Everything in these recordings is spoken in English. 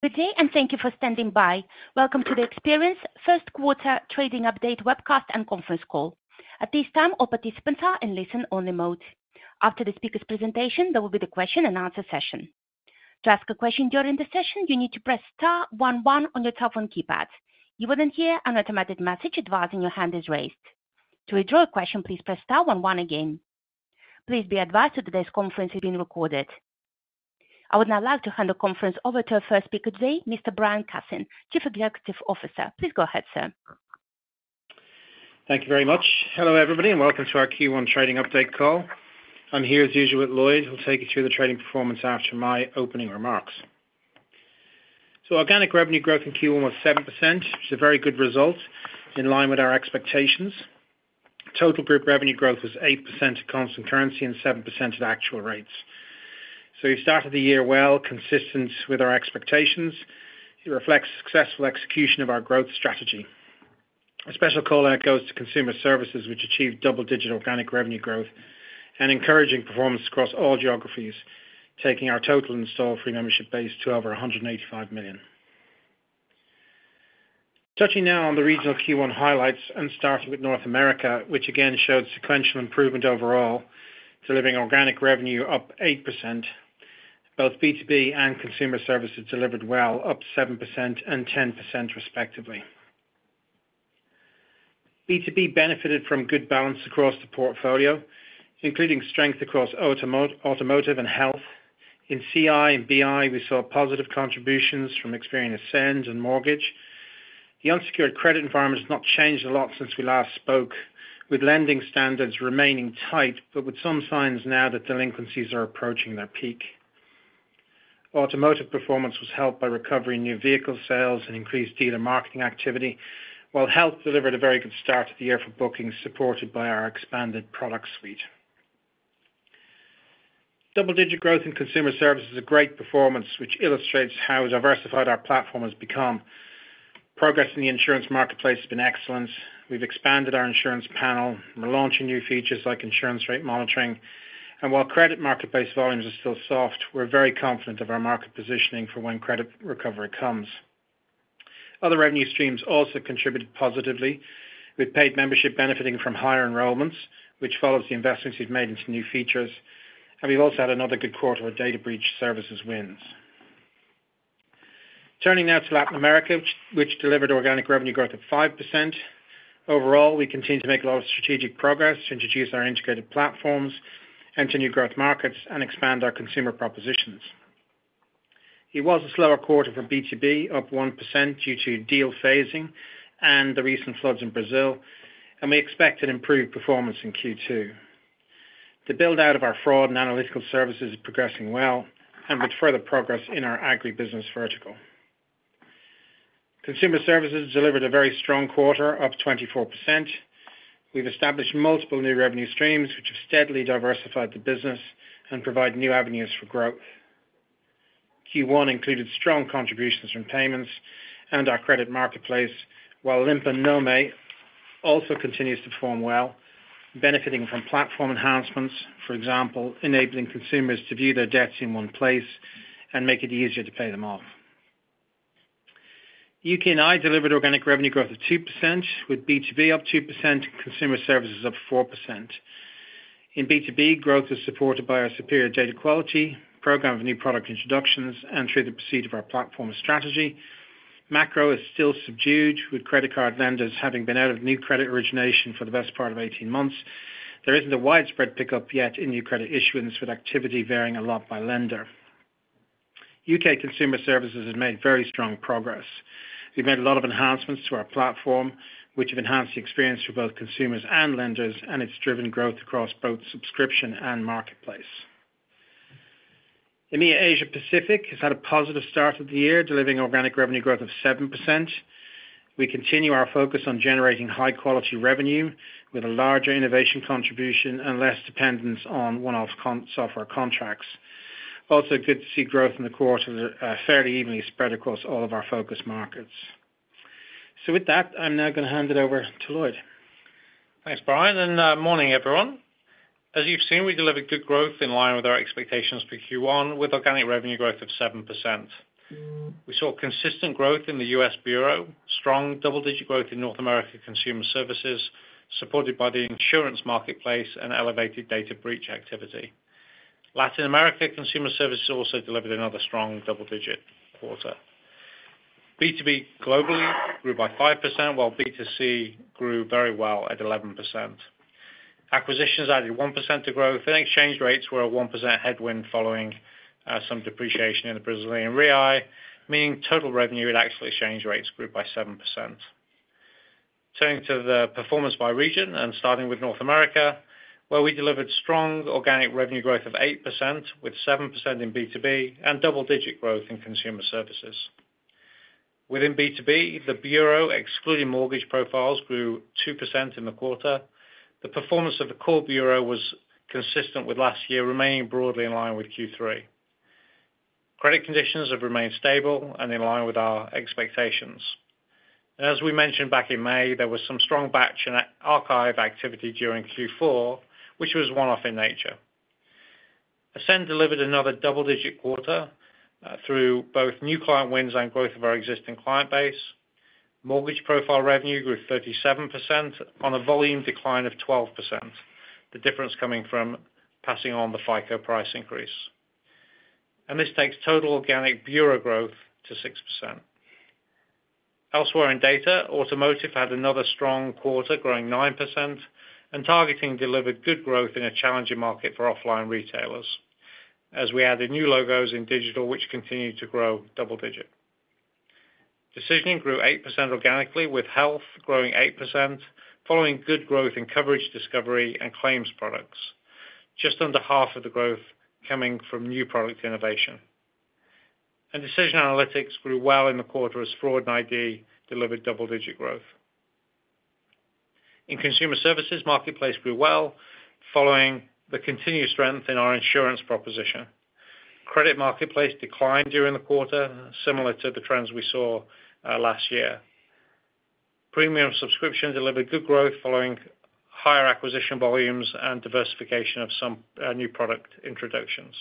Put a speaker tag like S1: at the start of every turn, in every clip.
S1: Good day, and thank you for standing by. Welcome to the Experian's First Quarter Trading Update Webcast and Conference Call. At this time, all participants are in listen only mode. After the speaker's presentation, there will be the question and answer session. To ask a question during the session, you need to press star one one on your telephone keypad. You will then hear an automatic message advising your hand is raised. To withdraw a question, please press star one one again. Please be advised that today's conference is being recorded. I would now like to hand the conference over to our first speaker today, Mr. Brian Cassin, Chief Executive Officer. Please go ahead, sir.
S2: Thank you very much. Hello, everybody, and welcome to our Q1 trading update call. I'm here, as usual, with Lloyd, who'll take you through the trading performance after my opening remarks. So organic revenue growth in Q1 was 7%, which is a very good result, in line with our expectations. Total group revenue growth was 8% at constant currency and 7% at actual rates. So we started the year well, consistent with our expectations. It reflects successful execution of our growth strategy. A special call out goes to Consumer Services, which achieved double-digit organic revenue growth and encouraging performance across all geographies, taking our total installed free membership base to over 185 million. Touching now on the regional Q1 highlights and starting with North America, which again showed sequential improvement overall, delivering organic revenue up 8%. Both B2B and Consumer Services delivered well, up 7% and 10%, respectively. B2B benefited from good balance across the portfolio, including strength across Automotive and Health. In CI and BI, we saw positive contributions from Experian Ascend and Mortgage. The unsecured credit environment has not changed a lot since we last spoke, with lending standards remaining tight, but with some signs now that delinquencies are approaching their peak. Automotive performance was helped by recovery in new vehicle sales and increased dealer marketing activity, while Health delivered a very good start to the year for bookings, supported by our expanded product suite. Double-digit growth in Consumer Services is a great performance, which illustrates how diversified our platform has become. Progress in the Insurance Marketplace has been excellent. We've expanded our insurance panel. We're launching new features like insurance rate monitoring. While Credit Marketplace volumes are still soft, we're very confident of our market positioning for when credit recovery comes. Other revenue streams also contributed positively, with paid membership benefiting from higher enrollments, which follows the investments we've made into new features. We've also had another good quarter of data breach services wins. Turning now to Latin America, which delivered organic revenue growth of 5%. Overall, we continue to make a lot of strategic progress to introduce our integrated platforms, enter new growth markets, and expand our consumer propositions. It was a slower quarter for B2B, up 1% due to deal phasing and the recent floods in Brazil, and we expect an improved performance in Q2. The build-out of our fraud and analytical services is progressing well and with further progress in our Agribusiness vertical. Consumer services delivered a very strong quarter, up 24%. We've established multiple new revenue streams, which have steadily diversified the business and provide new avenues for growth. Q1 included strong contributions from Payments and our Credit Marketplace, while Limpa Nome also continues to perform well, benefiting from platform enhancements, for example, enabling consumers to view their debts in one place and make it easier to pay them off. UK&I delivered organic revenue growth of 2%, with B2B up 2% and Consumer Services up 4%. In B2B, growth is supported by our superior data quality, program of new product introductions, and through the proceeds of our platform strategy. Macro is still subdued, with credit card lenders having been out of new credit origination for the best part of 18 months. There isn't a widespread pickup yet in new credit issuance, with activity varying a lot by lender. UK Consumer Services has made very strong progress. We've made a lot of enhancements to our platform, which have enhanced the experience for both consumers and lenders, and it's driven growth across both subscription and marketplace. EMEA Asia Pacific has had a positive start of the year, delivering organic revenue growth of 7%. We continue our focus on generating high quality revenue with a larger innovation contribution and less dependence on one-off consumer software contracts. Also, good to see growth in the quarter, fairly evenly spread across all of our focus markets. So with that, I'm now going to hand it over to Lloyd.
S3: Thanks, Brian, and morning, everyone. As you've seen, we delivered good growth in line with our expectations for Q1, with organic revenue growth of 7%. We saw consistent growth in the U.S. Bureau, strong double-digit growth in North America Consumer Services, supported by the Insurance Marketplace and elevated data breach activity. Latin America Consumer Services also delivered another strong double-digit quarter. B2B globally grew by 5%, while B2C grew very well at 11%. Acquisitions added 1% to growth, and exchange rates were a 1% headwind following some depreciation in the Brazilian real, meaning total revenue at actual exchange rates grew by 7%. Turning to the performance by region, and starting with North America, where we delivered strong organic revenue growth of 8%, with 7% in B2B and double-digit growth in Consumer Services. Within B2B, the bureau, excluding mortgage profiles, grew 2% in the quarter. The performance of the core bureau was consistent with last year, remaining broadly in line with Q3. Credit conditions have remained stable and in line with our expectations. As we mentioned back in May, there was some strong batch and archive activity during Q4, which was one-off in nature. Ascend delivered another double-digit quarter through both new client wins and growth of our existing client base. Mortgage profile revenue grew 37% on a volume decline of 12%, the difference coming from passing on the FICO price increase. This takes total organic bureau growth to 6%. Elsewhere in Data, Automotive had another strong quarter, growing 9%, and Targeting delivered good growth in a challenging market for offline retailers, as we added new logos in digital, which continued to grow double digit. Decisioning grew 8% organically, with Health growing 8% following good growth in Coverage Discovery and claims products, just under half of the growth coming from new product innovation. Decision Analytics grew well in the quarter as Fraud and ID delivered double-digit growth. In Consumer Services, Marketplace grew well following the continued strength in our insurance proposition. Credit Marketplace declined during the quarter, similar to the trends we saw last year. Premium Subscription delivered good growth following higher acquisition volumes and diversification of some new product introductions.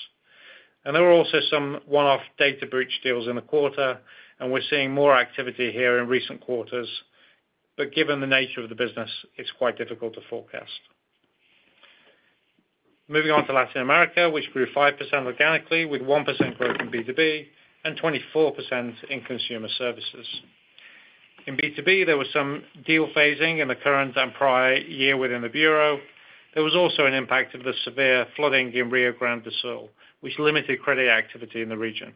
S3: There were also some one-off data breach deals in the quarter, and we're seeing more activity here in recent quarters, but given the nature of the business, it's quite difficult to forecast. Moving on to Latin America, which grew 5% organically, with 1% growth in B2B, and 24% in Consumer Services. In B2B, there was some deal phasing in the current and prior year within the bureau. There was also an impact of the severe flooding in Rio Grande do Sul, which limited credit activity in the region.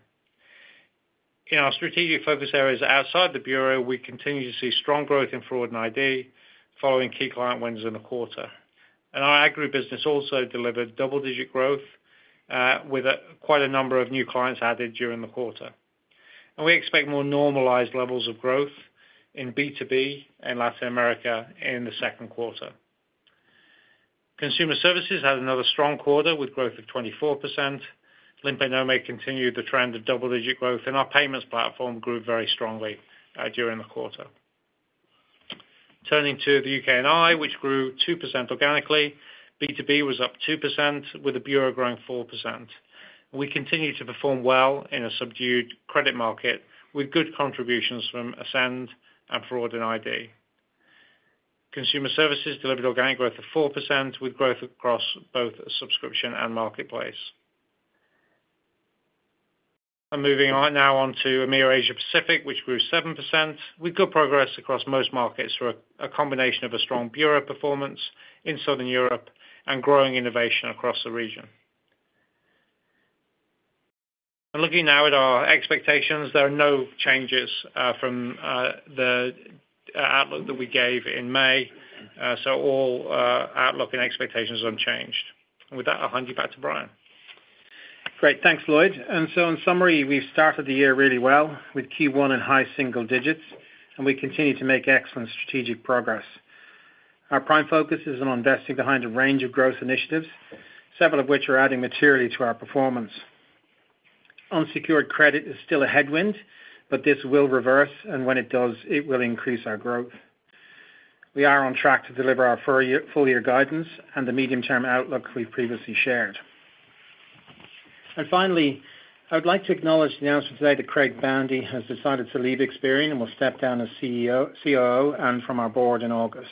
S3: In our strategic focus areas outside the bureau, we continue to see strong growth in Fraud and ID, following key client wins in the quarter. Our Agribusiness also delivered double-digit growth, with quite a number of new clients added during the quarter. We expect more normalized levels of growth in B2B and Latin America in the second quarter. Consumer Services had another strong quarter with growth of 24%. Limpa Nome continued the trend of double-digit growth, and our Payments platform grew very strongly during the quarter. Turning to the UK&I, which grew 2% organically, B2B was up 2%, with the bureau growing 4%. We continue to perform well in a subdued credit market, with good contributions from Ascend and Fraud and ID. Consumer Services delivered organic growth of 4%, with growth across both Subscription and Marketplace. I'm moving on, now on to EMEA Asia Pacific, which grew 7%, with good progress across most markets through a combination of a strong bureau performance in Southern Europe and growing innovation across the region. Looking now at our expectations, there are no changes from the outlook that we gave in May. So all outlook and expectations are unchanged. With that, I'll hand you back to Brian.
S2: Great, thanks, Lloyd. And so in summary, we've started the year really well with Q1 in high single digits, and we continue to make excellent strategic progress. Our prime focus is on investing behind a range of growth initiatives, several of which are adding materially to our performance. Unsecured credit is still a headwind, but this will reverse, and when it does, it will increase our growth. We are on track to deliver our full year guidance and the medium-term outlook we've previously shared. And finally, I would like to acknowledge the announcement today that Craig Boundy has decided to leave Experian and will step down as CEO, COO, and from our board in August.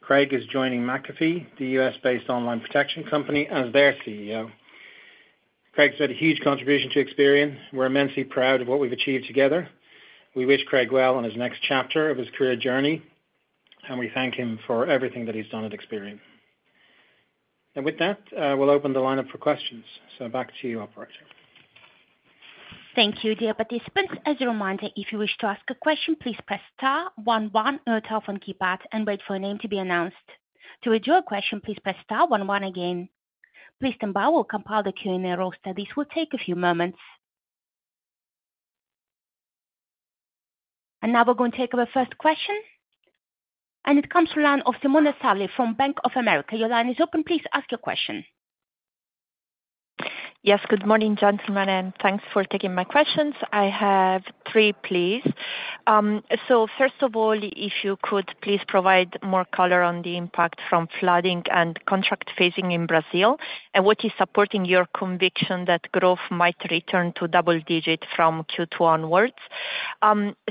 S2: Craig is joining McAfee, the U.S.-based online protection company, as their CEO. Craig's had a huge contribution to Experian. We're immensely proud of what we've achieved together. We wish Craig well on his next chapter of his career journey, and we thank him for everything that he's done at Experian. With that, we'll open the line up for questions. Back to you, operator.
S1: Thank you, dear participants. As a reminder, if you wish to ask a question, please press star one one on your telephone keypad and wait for your name to be announced. To withdraw your question, please press star one one again. Please stand by, we'll compile the Q&A roster. This will take a few moments. And now we're going to take our first question, and it comes from the line of Simona Sarli from Bank of America. Your line is open. Please ask your question.
S4: Yes, good morning, gentlemen, and thanks for taking my questions. I have three, please. So first of all, if you could please provide more color on the impact from flooding and contract phasing in Brazil, and what is supporting your conviction that growth might return to double digits from Q2 onwards?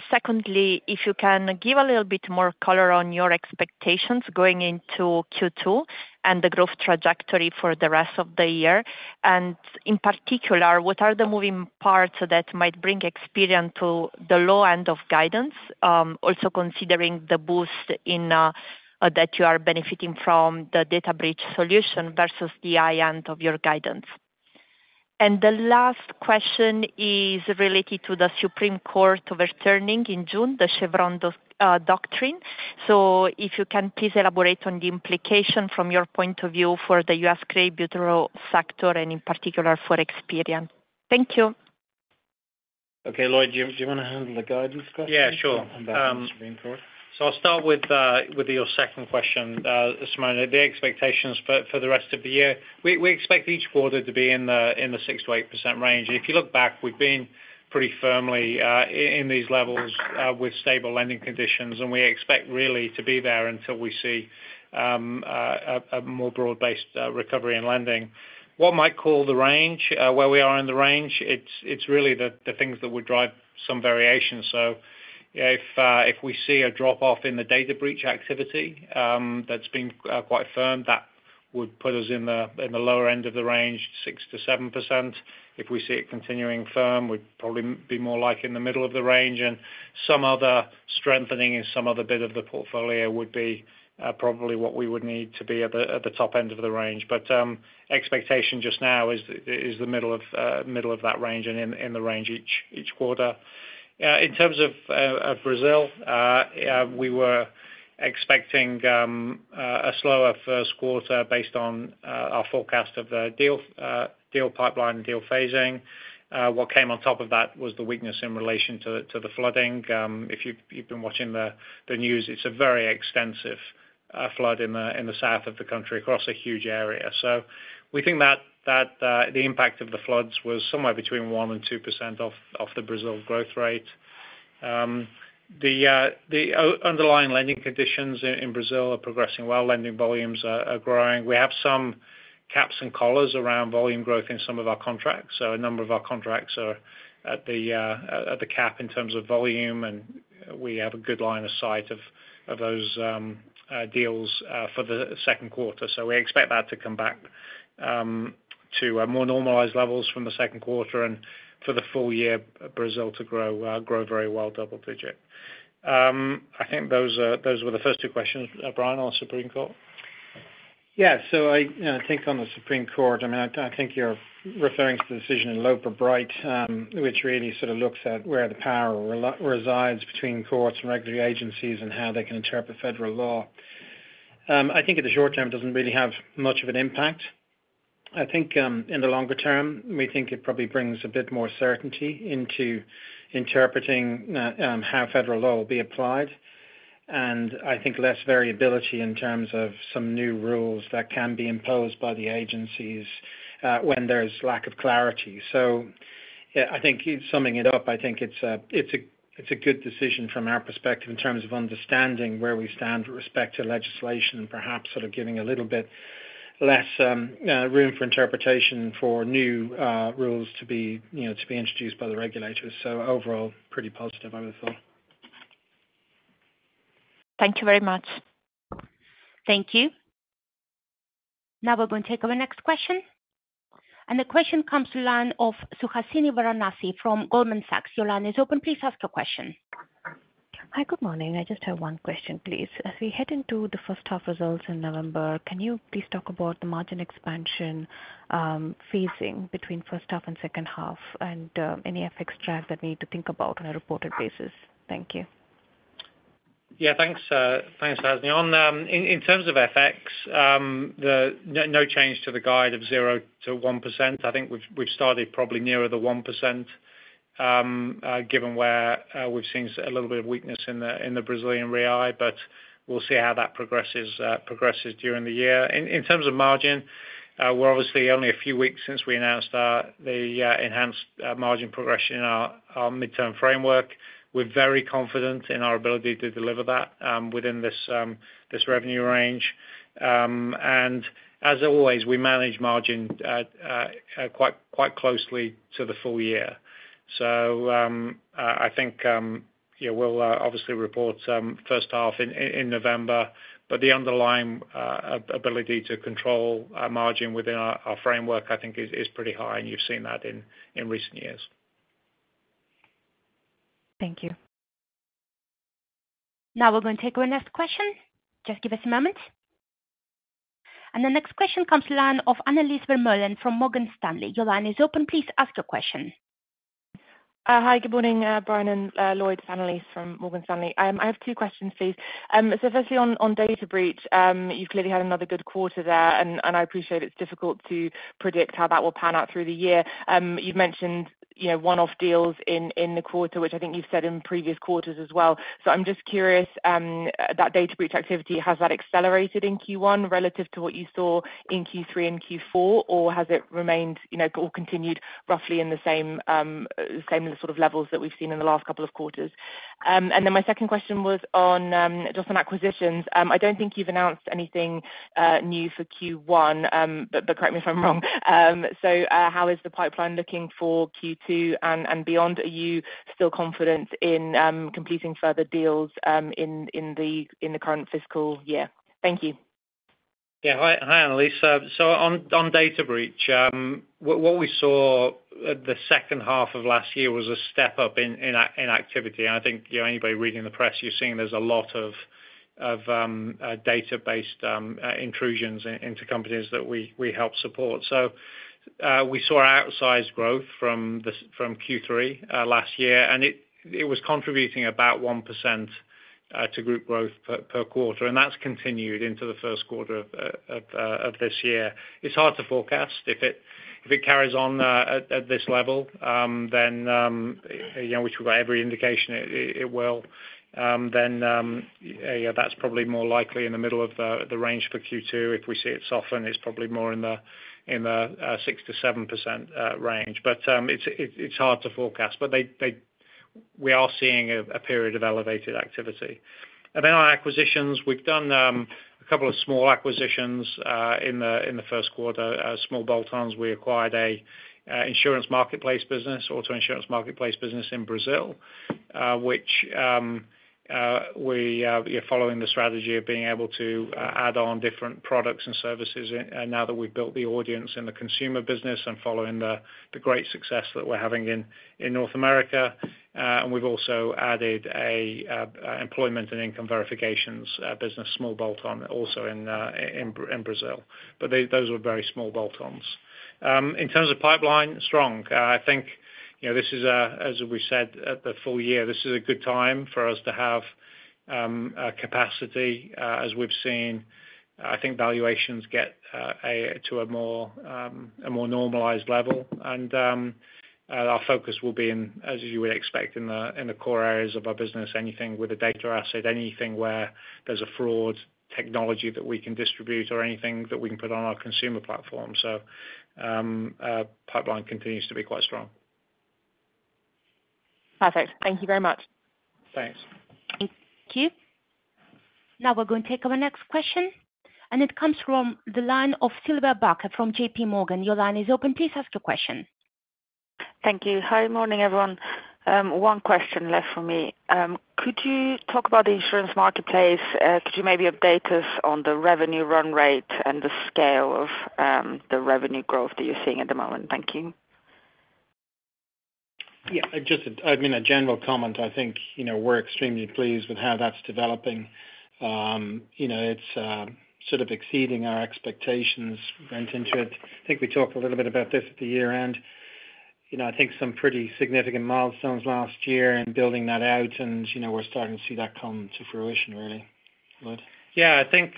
S4: Secondly, if you can give a little bit more color on your expectations going into Q2 and the growth trajectory for the rest of the year, and in particular, what are the moving parts that might bring Experian to the low end of guidance, also considering the boost in that you are benefiting from the data breach solution versus the high end of your guidance? And the last question is related to the Supreme Court overturning in June, the Chevron doctrine. If you can please elaborate on the implication from your point of view for the U.S. credit bureau sector and in particular for Experian. Thank you.
S2: Okay, Lloyd, do you wanna handle the guidance question?
S3: Yeah, sure.
S2: On the Supreme Court.
S3: I'll start with your second question, Simona. The expectations for the rest of the year, we expect each quarter to be in the 6%-8% range. If you look back, we've been pretty firmly in these levels with stable lending conditions, and we expect really to be there until we see a more broad-based recovery in lending. What might call the range, where we are in the range, it's really the things that would drive some variation. If we see a drop-off in the data breach activity, that's been quite firm, that would put us in the lower end of the range, 6%-7%. If we see it continuing firm, we'd probably be more like in the middle of the range, and some other strengthening in some other bit of the portfolio would be probably what we would need to be at the top end of the range. But expectation just now is the middle of that range, and in the range each quarter. In terms of Brazil, yeah, we were expecting a slower first quarter based on our forecast of the deal pipeline and deal phasing. What came on top of that was the weakness in relation to the flooding. If you've been watching the news, it's a very extensive flood in the south of the country across a huge area. So we think that the impact of the floods was somewhere between 1% and 2% off the Brazil growth rate. The underlying lending conditions in Brazil are progressing well, lending volumes are growing. We have some caps and collars around volume growth in some of our contracts, so a number of our contracts are at the cap in terms of volume, and we have a good line of sight of those deals for the second quarter. So we expect that to come back to more normalized levels from the second quarter, and for the full year, Brazil to grow very well, double-digit. I think those were the first two questions, Brian, on Supreme Court?
S2: Yeah, so I, you know, think on the Supreme Court, I mean, I, I think you're referring to the decision in Loper Bright, which really sort of looks at where the power resides between courts and regulatory agencies, and how they can interpret federal law. I think in the short term, doesn't really have much of an impact. I think, in the longer term, we think it probably brings a bit more certainty into interpreting, how federal law will be applied, and I think less variability in terms of some new rules that can be imposed by the agencies, when there's lack of clarity. So, yeah, I think summing it up, I think it's a good decision from our perspective in terms of understanding where we stand with respect to legislation, and perhaps sort of giving a little bit less room for interpretation for new rules to be, you know, introduced by the regulators. So overall, pretty positive, I would think.
S1: Thank you very much. Thank you. Now we're going to take our next question, and the question comes from the line of Suhasini Varanasi from Goldman Sachs. Your line is open. Please ask your question.
S5: Hi, good morning. I just have one question, please. As we head into the first half results in November, can you please talk about the margin expansion, phasing between first half and second half, and any FX drag that we need to think about on a reported basis? Thank you.
S3: Yeah, thanks, thanks, Suhasini. On, in terms of FX, the... No, no change to the guide of 0%-1%. I think we've, we've started probably nearer the 1%, given where, we've seen a little bit of weakness in the Brazilian real, but we'll see how that progresses during the year. In terms of margin, we're obviously only a few weeks since we announced the enhanced margin progression in our midterm framework. We're very confident in our ability to deliver that within this revenue range. And as always, we manage margin quite closely to the full year. I think, yeah, we'll obviously report some first half in November, but the underlying ability to control our margin within our framework, I think is pretty high, and you've seen that in recent years.
S5: Thank you.
S1: Now we're gonna take our next question. Just give us a moment. The next question comes to line of Annelies Vermeulen from Morgan Stanley. Your line is open, please ask your question.
S6: Hi, good morning, Brian and Lloyd. It's Annelies from Morgan Stanley. I have two questions, please. So firstly on data breach, you've clearly had another good quarter there, and I appreciate it's difficult to predict how that will pan out through the year. You've mentioned, you know, one-off deals in the quarter, which I think you've said in previous quarters as well. So I'm just curious, that data breach activity, has that accelerated in Q1 relative to what you saw in Q3 and Q4, or has it remained, you know, or continued roughly in the same, same sort of levels that we've seen in the last couple of quarters? And then my second question was on just on acquisitions. I don't think you've announced anything new for Q1, but correct me if I'm wrong. So, how is the pipeline looking for Q2 and beyond? Are you still confident in completing further deals in the current fiscal year? Thank you.
S3: Yeah. Hi, hi, Annelies. So on data breach, what we saw at the second half of last year was a step-up in activity, and I think, you know, anybody reading the press, you're seeing there's a lot of data-based intrusions into companies that we help support. So we saw outsized growth from Q3 last year, and it was contributing about 1% to group growth per quarter, and that's continued into the first quarter of this year. It's hard to forecast. If it carries on at this level, then you know, which we've got every indication it will, then yeah, that's probably more likely in the middle of the range for Q2. If we see it soften, it's probably more in the 6%-7% range. But it's hard to forecast. We are seeing a period of elevated activity. And then on acquisitions, we've done a couple of small acquisitions in the first quarter, small bolt-ons. We acquired an Insurance Marketplace business, auto Insurance Marketplace business in Brazil, which we are following the strategy of being able to add on different products and services, and now that we've built the audience in the consumer business and following the great success that we're having in North America. And we've also added an employment and income verifications business, small bolt-on also in Brazil. But those were very small bolt-ons. In terms of pipeline, strong. I think, you know, this is, as we said, at the full year, this is a good time for us to have a capacity, as we've seen. I think valuations get to a more normalized level. Our focus will be in, as you would expect, in the core areas of our business, anything with a data asset, anything where there's a fraud technology that we can distribute or anything that we can put on our consumer platform. Pipeline continues to be quite strong.
S6: Perfect. Thank you very much.
S3: Thanks.
S1: Thank you. Now we're going to take our next question, and it comes from the line of Silvia Barker from J.P. Morgan. Your line is open. Please ask your question.
S7: Thank you. Hi, morning, everyone. One question left for me. Could you talk about the Insurance Marketplace? Could you maybe update us on the revenue run rate and the scale of the revenue growth that you're seeing at the moment? Thank you.
S2: Yeah, just, I mean, a general comment, I think, you know, we're extremely pleased with how that's developing. You know, it's sort of exceeding our expectations went into it. I think we talked a little bit about this at the year-end. You know, I think some pretty significant milestones last year and building that out and, you know, we're starting to see that come to fruition really. Lloyd?
S3: Yeah, I think,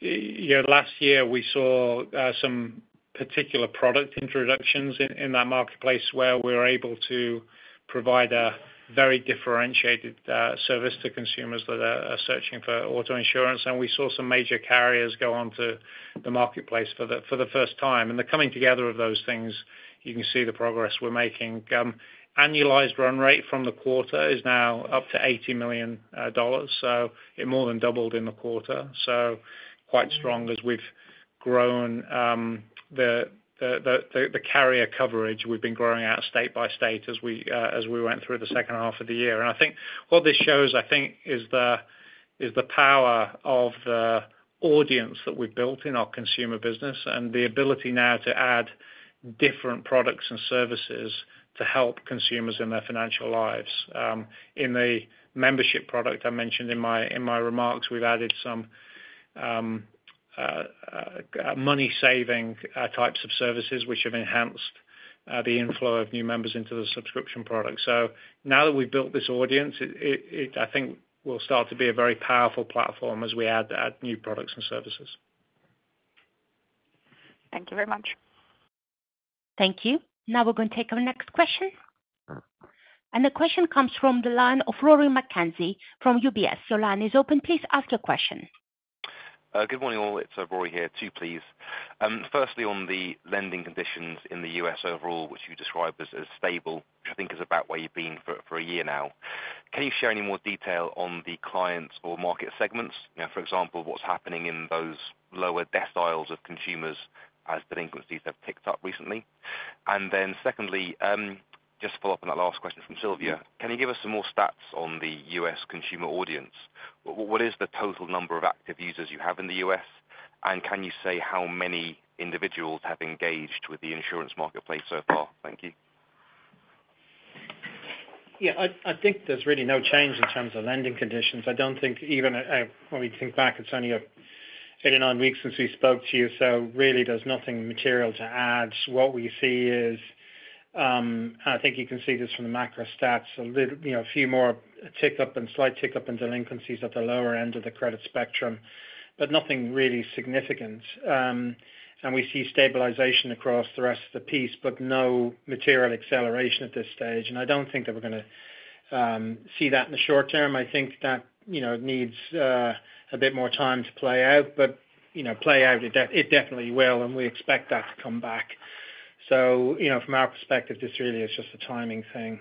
S3: you know, last year we saw some particular product introductions in that marketplace where we were able to provide a very differentiated service to consumers that are searching for auto insurance. And we saw some major carriers go on to the marketplace for the first time. And the coming together of those things, you can see the progress we're making. Annualized run rate from the quarter is now up to $80 million dollars, so it more than doubled in the quarter. So quite strong as we've grown the carrier coverage, we've been growing out state by state as we went through the second half of the year. I think what this shows is the power of the audience that we've built in our consumer business, and the ability now to add different products and services to help consumers in their financial lives. In the membership product I mentioned in my remarks, we've added some money saving types of services which have enhanced the inflow of new members into the subscription product. So now that we've built this audience, it, I think, will start to be a very powerful platform as we add new products and services.
S7: Thank you very much.
S1: Thank you. Now we're going to take our next question. The question comes from the line of Rory McKenzie from UBS. Your line is open. Please ask your question.
S8: Good morning, all. It's Rory here. Two, please. Firstly, on the lending conditions in the U.S. overall, which you described as stable, which I think is about where you've been for a year now. Can you share any more detail on the clients or market segments? You know, for example, what's happening in those lower deciles of consumers as delinquencies have picked up recently? And then secondly, just to follow up on that last question from Silvia, can you give us some more stats on the U.S. consumer audience? What is the total number of active users you have in the U.S., and can you say how many individuals have engaged with the Insurance Marketplace so far? Thank you.
S2: Yeah, I think there's really no change in terms of lending conditions. I don't think even, when we think back, it's only, eight or nine weeks since we spoke to you, so really there's nothing material to add. What we see is, I think you can see this from the macro stats, a little, you know, a few more tick up and slight tick up in delinquencies at the lower end of the credit spectrum, but nothing really significant. And we see stabilization across the rest of the piece, but no material acceleration at this stage. And I don't think that we're gonna see that in the short term. I think that, you know, needs a bit more time to play out, but, you know, play out, it definitely will, and we expect that to come back. So, you know, from our perspective, this really is just a timing thing.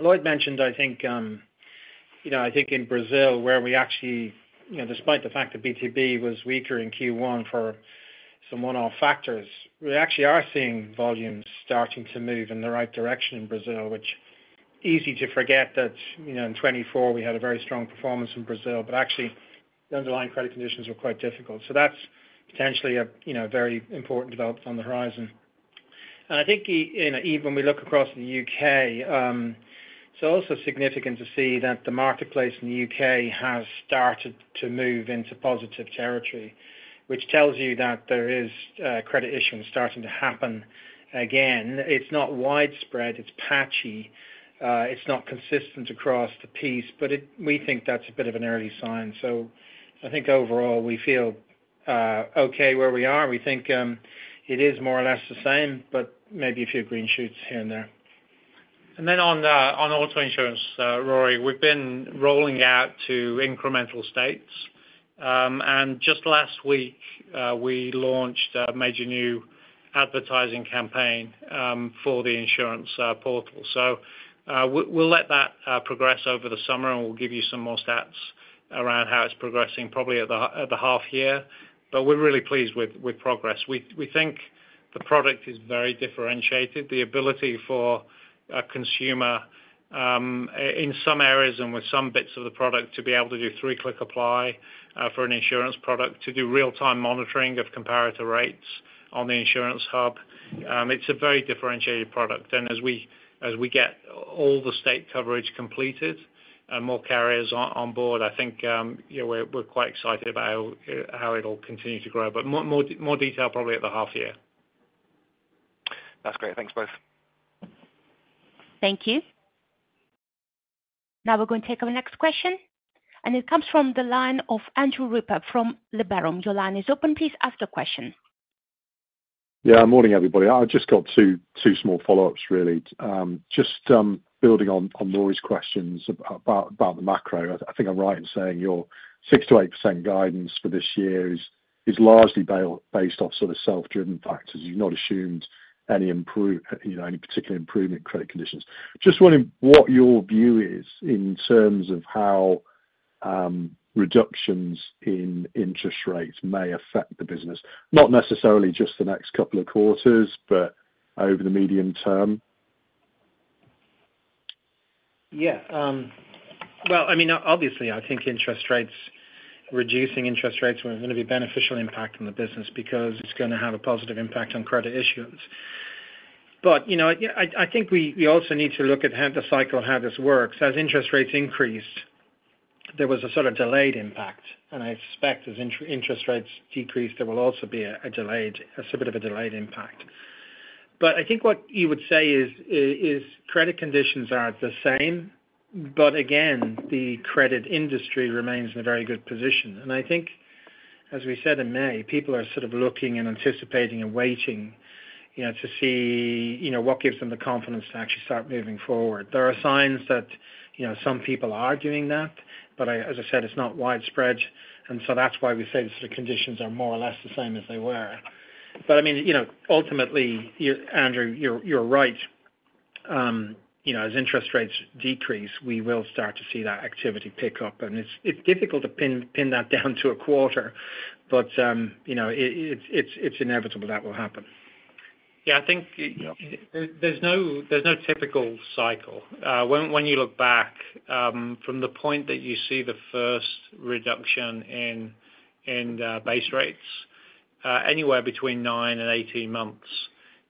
S2: Lloyd mentioned, I think, you know, I think in Brazil, where we actually, you know, despite the fact that B2B was weaker in Q1 for some one-off factors, we actually are seeing volumes starting to move in the right direction in Brazil, which is easy to forget that, you know, in 2024 we had a very strong performance in Brazil, but actually, the underlying credit conditions were quite difficult. So that's potentially a, you know, very important development on the horizon. And I think you know, even when we look across the UK, it's also significant to see that the marketplace in the UK has started to move into positive territory, which tells you that there is, credit issuance starting to happen again. It's not widespread, it's patchy. It's not consistent across the piece, but we think that's a bit of an early sign. So I think overall, we feel okay where we are. We think it is more or less the same, but maybe a few green shoots here and there.
S3: And then on the, on auto insurance, Rory, we've been rolling out to incremental states. And just last week, we launched a major new advertising campaign, for the insurance, portal. So, we'll let that, progress over the summer, and we'll give you some more stats around how it's progressing, probably at the, at the half year. But we're really pleased with, with progress. We think the product is very differentiated. The ability for a consumer, in some areas and with some bits of the product, to be able to do three-click apply, for an insurance product, to do real-time monitoring of comparator rates on the insurance hub, it's a very differentiated product. As we get all the state coverage completed and more carriers on board, I think, yeah, we're quite excited about how it'll continue to grow. But more detail probably at the half year. That's great. Thanks both.
S1: Thank you. Now we're going to take our next question, and it comes from the line of Andrew Ripper from Liberum. Your line is open. Please ask the question.
S9: Yeah, morning, everybody. I've just got two small follow-ups, really. Just building on Rory's questions about the macro. I think I'm right in saying your 6%-8% guidance for this year is largely based off sort of self-driven factors. You've not assumed any improvement, you know, any particular improvement in credit conditions. Just wondering what your view is in terms of how reductions in interest rates may affect the business? Not necessarily just the next couple of quarters, but over the medium term.
S3: Yeah. Well, I mean, obviously, I think interest rates, reducing interest rates are gonna be a beneficial impact on the business because it's gonna have a positive impact on credit issuance. But, you know, I think we also need to look at how the cycle, how this works. As interest rates increased, there was a sort of delayed impact, and I expect as interest rates decrease, there will also be a delayed impact. But I think what you would say is, is credit conditions are the same, but again, the credit industry remains in a very good position. And I think, as we said in May, people are sort of looking and anticipating and waiting, you know, to see, you know, what gives them the confidence to actually start moving forward. There are signs that, you know, some people are doing that, but I, as I said, it's not widespread, and so that's why we say the conditions are more or less the same as they were. But I mean, you know, ultimately, you, Andrew, you're right. You know, as interest rates decrease, we will start to see that activity pick up, and it's difficult to pin that down to a quarter, but, you know, it's inevitable that will happen. Yeah... there's no typical cycle. When you look back, from the point that you see the first reduction in base rates, anywhere between 9 and 18 months,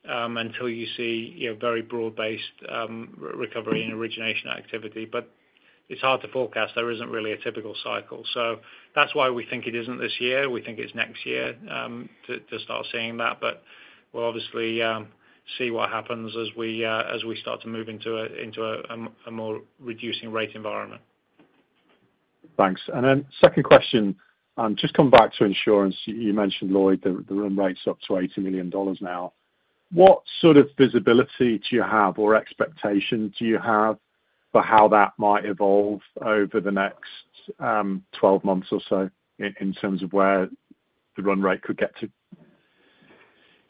S3: until you see, you know, very broad-based recovery and origination activity. But it's hard to forecast. There isn't really a typical cycle. So that's why we think it isn't this year. We think it's next year to start seeing that. But we'll obviously see what happens as we start to move into a more reducing rate environment.
S9: Thanks. Then second question, just come back to insurance. You mentioned, Lloyd, the run rate's up to $80 million now. What sort of visibility do you have or expectation do you have for how that might evolve over the next 12 months or so in terms of where the run rate could get to?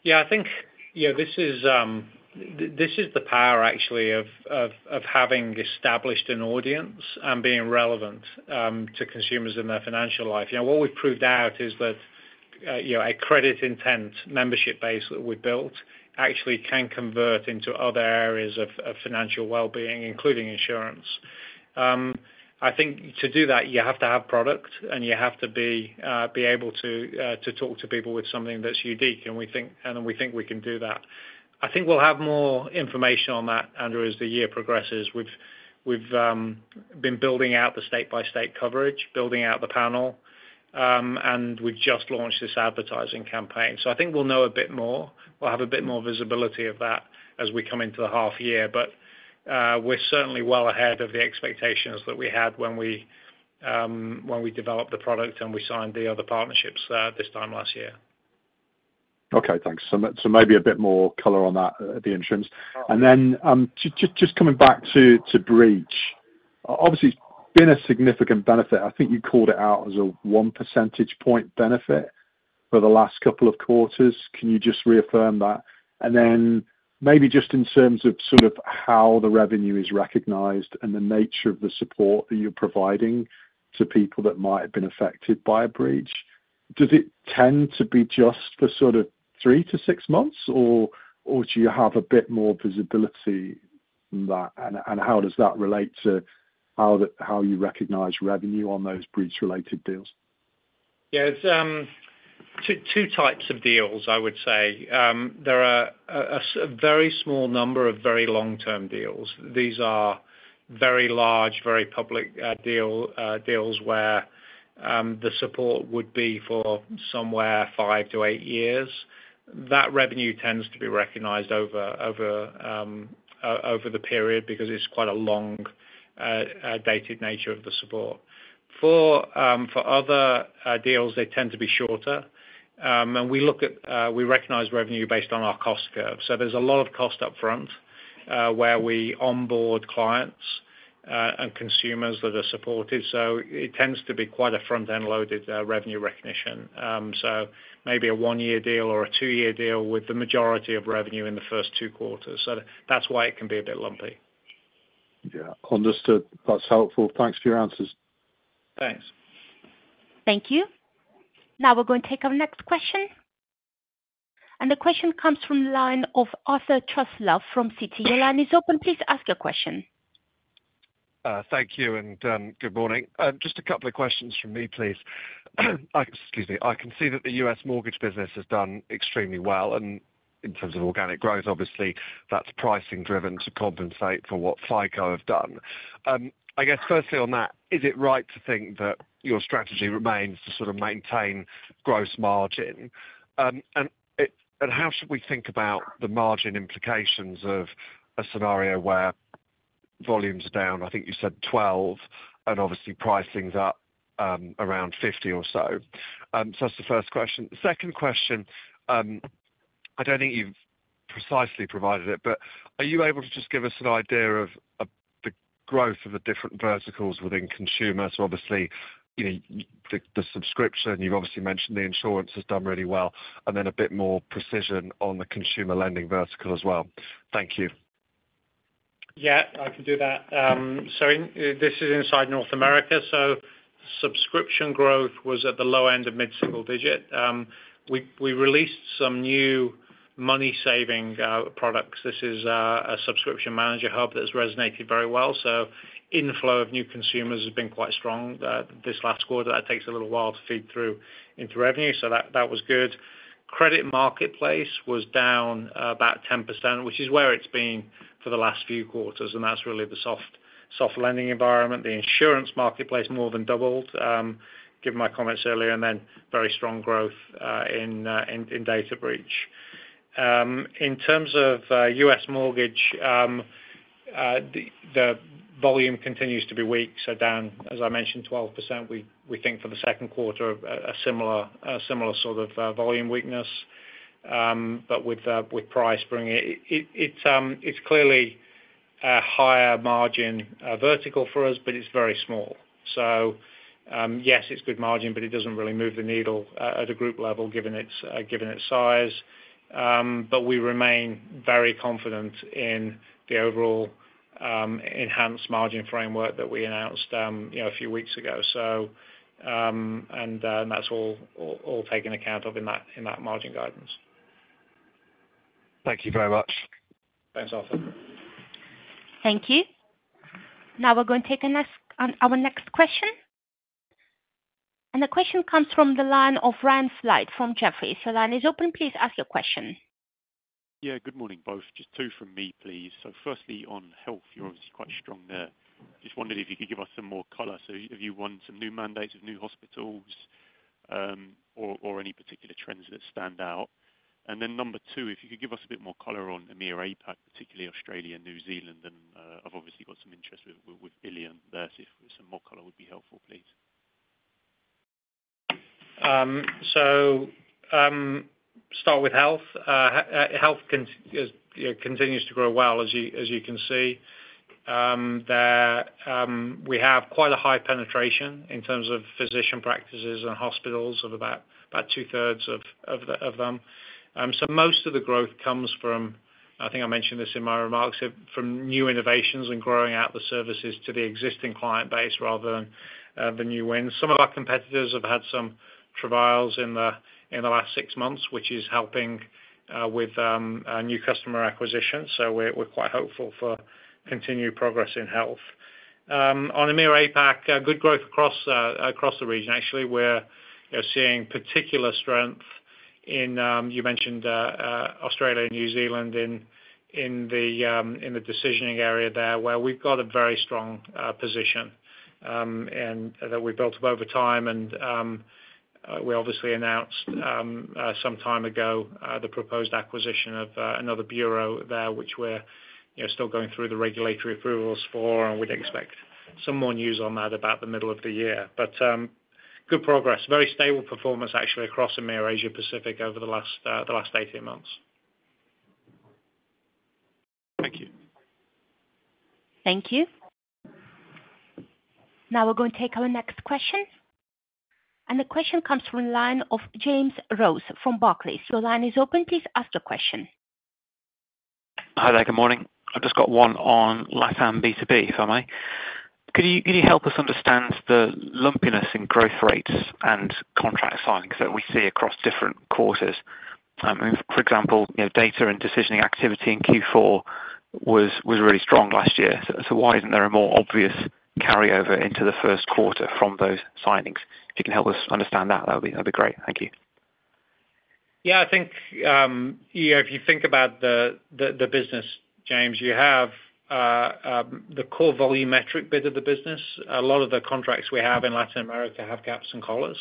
S3: Yeah, I think, you know, this is the power actually of having established an audience and being relevant to consumers in their financial life. You know, what we've proved out is that, you know, a credit intent membership base that we built actually can convert into other areas of financial well-being, including insurance. I think to do that, you have to have product, and you have to be able to talk to people with something that's unique, and we think-- and we think we can do that. I think we'll have more information on that, Andrew, as the year progresses. We've been building out the state-by-state coverage, building out the panel, and we've just launched this advertising campaign. So I think we'll know a bit more. We'll have a bit more visibility of that as we come into the half year. But, we're certainly well ahead of the expectations that we had when we developed the product and we signed the other partnerships, this time last year.
S9: Okay, thanks. So so maybe a bit more color on that, the insurance. And then, just, just coming back to, to breach. Obviously, it's been a significant benefit. I think you called it out as a one percentage point benefit for the last couple of quarters. Can you just reaffirm that? And then maybe just in terms of sort of how the revenue is recognized and the nature of the support that you're providing to people that might have been affected by a breach, does it tend to be just for sort of three to six months, or do you have a bit more visibility than that, and how does that relate to how the how you recognize revenue on those breach-related deals?
S3: Yeah, it's two types of deals, I would say. There are a very small number of very long-term deals. These are very large, very public deals where the support would be for somewhere 5-8 years. That revenue tends to be recognized over the period, because it's quite a long dated nature of the support. For other deals, they tend to be shorter. We recognize revenue based on our cost curve. So there's a lot of cost up front, where we onboard clients and consumers that are supported, so it tends to be quite a front-end loaded revenue recognition. So maybe a 1-year deal or a 2-year deal with the majority of revenue in the first 2 quarters. That's why it can be a bit lumpy.
S9: Yeah, understood. That's helpful. Thanks for your answers.
S3: Thanks.
S1: Thank you. Now we're going to take our next question. The question comes from the line of Arthur Truslove from Citi. Your line is open, please ask your question.
S10: Thank you, and good morning. Just a couple of questions from me, please. Excuse me. I can see that the U.S. mortgage business has done extremely well, and in terms of organic growth, obviously, that's pricing driven to compensate for what FICO have done. I guess firstly on that, is it right to think that your strategy remains to sort of maintain gross margin? And how should we think about the margin implications of a scenario where volume's down, I think you said 12, and obviously pricing's up, around 50 or so? So that's the first question. Second question, I don't think you've precisely provided it, but are you able to just give us an idea of the growth of the different verticals within consumer? So obviously, you know, the subscription, you've obviously mentioned the insurance has done really well, and then a bit more precision on the consumer lending vertical as well. Thank you.
S3: Yeah, I can do that. So inside North America, subscription growth was at the low end of mid-single digit. We released some new money saving products. This is a subscription manager hub that's resonated very well, so inflow of new consumers has been quite strong. This last quarter, that takes a little while to feed through into revenue, so that was good. Credit Marketplace was down about 10%, which is where it's been for the last few quarters, and that's really the soft lending environment. The Insurance Marketplace more than doubled. Given my comments earlier and then very strong growth in data breach. In terms of U.S. mortgage, the volume continues to be weak, so down, as I mentioned, 12%. We think for the second quarter, a similar sort of volume weakness. But with price bringing it. It's clearly a higher margin vertical for us, but it's very small. So, yes, it's good margin, but it doesn't really move the needle at a group level, given its size. But we remain very confident in the overall enhanced margin framework that we announced, you know, a few weeks ago. So, and that's all taken account of in that margin guidance.
S10: Thank you very much.
S3: Thanks, Arthur.
S1: Thank you. Now we're going to take the next, our next question. The question comes from the line of Rohan Faiyaz from Jefferies. Line is open, please ask your question.
S11: Yeah, good morning, both. Just two from me, please. So firstly, on Health, you're obviously quite strong there. Just wondering if you could give us some more color. So have you won some new mandates of new hospitals, or any particular trends that stand out? And then number two, if you could give us a bit more color on EMEIA-APAC, particularly Australia and New Zealand, and I've obviously got some interest with illion there if some more color would be helpful, please.
S3: So, start with Health. Health, you know, continues to grow well, as you can see. There, we have quite a high penetration in terms of physician practices and hospitals of about two thirds of them. So most of the growth comes from, I think I mentioned this in my remarks, from new innovations and growing out the services to the existing client base rather than the new wins. Some of our competitors have had some travails in the last six months, which is helping with new customer acquisition. So we're quite hopeful for continued progress in Health. On EMEIA-APAC, good growth across the region. Actually, we're seeing particular strength in, you mentioned, Australia and New Zealand in the decisioning area there, where we've got a very strong position. And that we built up over time, and we obviously announced some time ago the proposed acquisition of another bureau there, which we're, you know, still going through the regulatory approvals for, and we'd expect some more news on that about the middle of the year. But good progress. Very stable performance, actually, across EMEIA, Asia Pacific over the last 18 months.
S11: Thank you.
S1: Thank you. Now we're going to take our next question, and the question comes from a line of James Rose from Barclays. Your line is open, please ask the question.
S12: Hi there, good morning. I've just got one on Latin B2B, if I may. Could you help us understand the lumpiness in growth rates and contract signings that we see across different quarters? For example, you know, data and decisioning activity in Q4 was really strong last year. So why isn't there a more obvious carryover into the first quarter from those signings? If you can help us understand that, that'd be great. Thank you.
S3: Yeah, I think, you know, if you think about the business, James, you have the core volumetric bit of the business. A lot of the contracts we have in Latin America have caps and collars.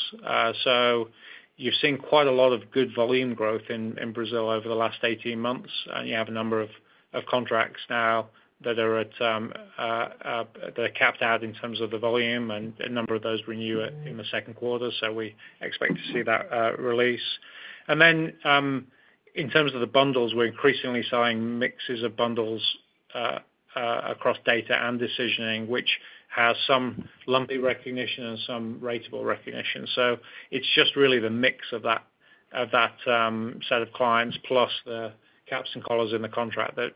S3: So you've seen quite a lot of good volume growth in Brazil over the last 18 months, and you have a number of contracts now that are at, they're capped out in terms of the volume, and a number of those renew it in the second quarter. So we expect to see that release. And then, in terms of the bundles, we're increasingly selling mixes of bundles across data and decisioning, which has some lumpy recognition and some ratable recognition. So it's just really the mix of that, of that, set of clients plus the caps and collars in the contract that,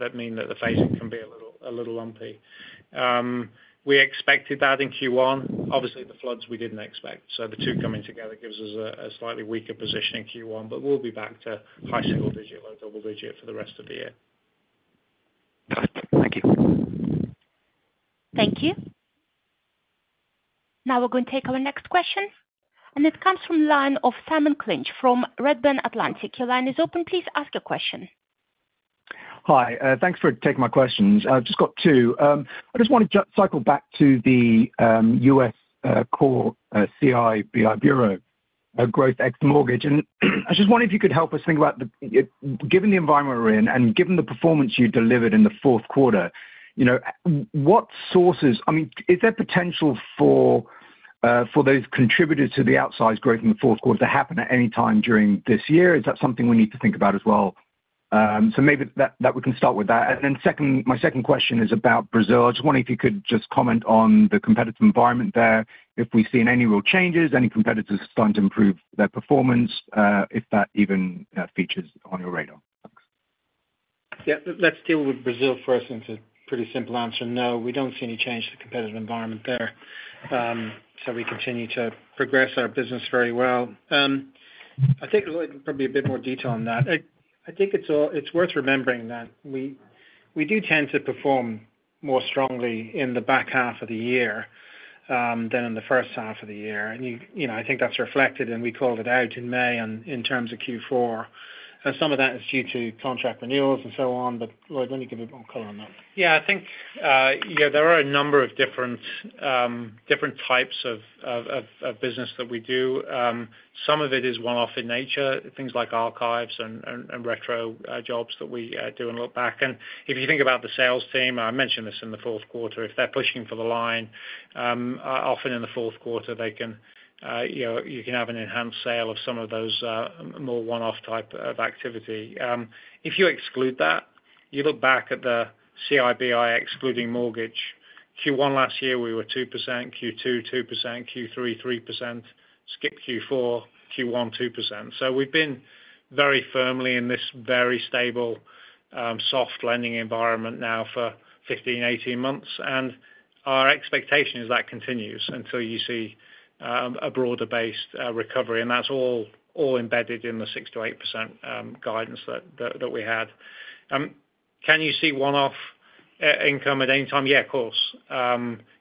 S3: that mean that the phasing can be a little lumpy.... a little lumpy. We expected that in Q1. Obviously, the floods we didn't expect, so the two coming together gives us a slightly weaker position in Q1, but we'll be back to high single digit or double digit for the rest of the year.
S12: Perfect. Thank you.
S1: Thank you. Now we're going to take our next question, and it comes from line of Simon Clinch from Redburn Atlantic. Your line is open, please ask your question.
S13: Hi, thanks for taking my questions. I've just got two. I just want to cycle back to the US core CI/BI Bureau growth ex mortgage. And I just wonder if you could help us think about the given the environment we're in, and given the performance you delivered in the fourth quarter, you know, what sources—I mean, is there potential for those contributors to the outsized growth in the fourth quarter to happen at any time during this year? Is that something we need to think about as well? So maybe that we can start with that. And then second—my second question is about Brazil. I just wondering if you could just comment on the competitive environment there, if we've seen any real changes, any competitors starting to improve their performance, if that even features on your radar? Thanks.
S2: Yeah. Let's deal with Brazil first, and it's a pretty simple answer. No, we don't see any change to the competitive environment there. So we continue to progress our business very well. I think it's like probably a bit more detail on that. I think it's worth remembering that we do tend to perform more strongly in the back half of the year than in the first half of the year. And you know, I think that's reflected, and we called it out in May and in terms of Q4. And some of that is due to contract renewals and so on, but Lloyd, why don't you give more color on that?
S3: Yeah, I think, yeah, there are a number of different types of business that we do. Some of it is one-off in nature, things like archives and retro jobs that we do and look back. And if you think about the sales team, I mentioned this in the fourth quarter, if they're pushing for the line, often in the fourth quarter, they can, you know, you can have an enhanced sale of some of those more one-off type of activity. If you exclude that, you look back at the CIBI, excluding mortgage, Q1 last year we were 2%, Q2 2%, Q3 3%, skip Q4, Q1 2%. So we've been very firmly in this very stable soft lending environment now for 15, 18 months. And our expectation is that continues until you see a broader based recovery, and that's all embedded in the 6%-8% guidance that we had. Can you see one-off income at any time? Yeah, of course.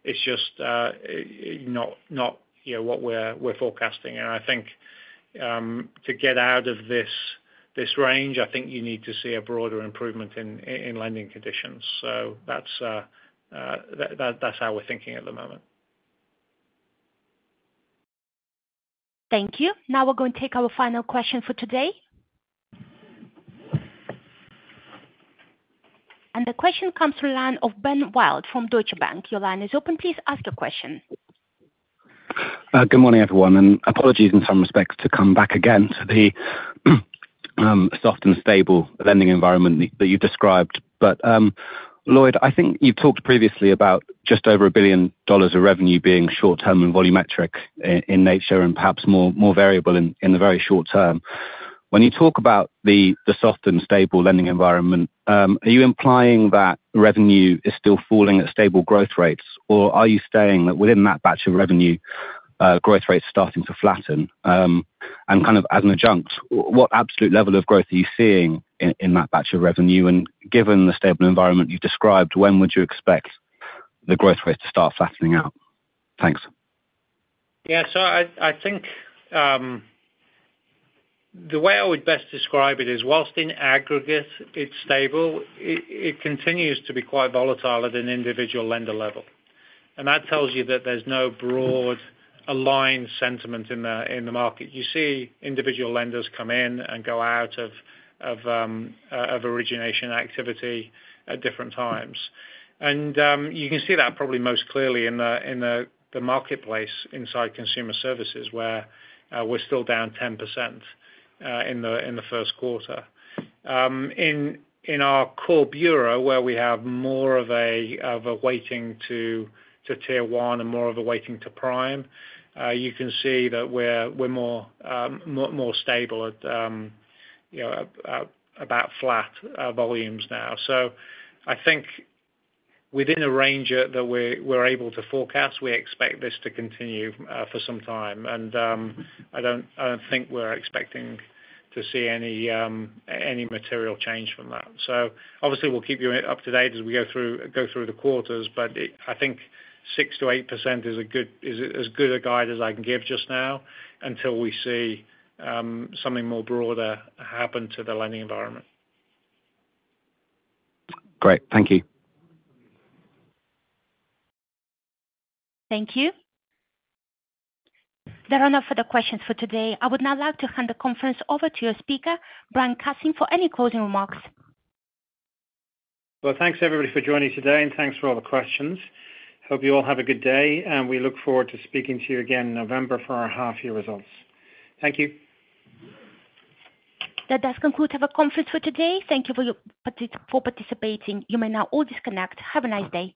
S3: It's just not, you know, what we're forecasting. And I think to get out of this range, I think you need to see a broader improvement in lending conditions. So that's how we're thinking at the moment.
S1: Thank you. Now we're going to take our final question for today. The question comes through the line of Ben Wild from Deutsche Bank. Your line is open, please ask your question.
S14: Good morning, everyone, and apologies in some respects to come back again to the soft and stable lending environment that you've described. But, Lloyd, I think you talked previously about just over $1 billion of revenue being short term and volumetric in nature and perhaps more variable in the very short term. When you talk about the soft and stable lending environment, are you implying that revenue is still falling at stable growth rates, or are you saying that within that batch of revenue, growth rate is starting to flatten? And kind of as an adjunct, what absolute level of growth are you seeing in that batch of revenue? And given the stable environment you've described, when would you expect the growth rate to start flattening out? Thanks.
S3: Yeah, so I think the way I would best describe it is while in aggregate it's stable, it continues to be quite volatile at an individual lender level. And that tells you that there's no broad aligned sentiment in the market. You see individual lenders come in and go out of origination activity at different times. And you can see that probably most clearly in the marketplace inside Consumer Services, where we're still down 10% in the first quarter. In our core bureau, where we have more of a weighting to tier one and more of a weighting to prime, you can see that we're more stable at, you know, about flat volumes now. So I think within the range that we're able to forecast, we expect this to continue for some time. And I don't think we're expecting to see any material change from that. So obviously we'll keep you up to date as we go through the quarters, but it—I think 6%-8% is a good, is as good a guide as I can give just now, until we see something more broader happen to the lending environment.
S14: Great. Thank you.
S1: Thank you. There are no further questions for today. I would now like to hand the conference over to your speaker, Brian Cassin, for any closing remarks.
S2: Well, thanks everybody for joining today, and thanks for all the questions. Hope you all have a good day, and we look forward to speaking to you again in November for our half-year results. Thank you.
S1: That does conclude our conference for today. Thank you for your participation. You may now all disconnect. Have a nice day.